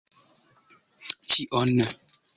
Ĉion?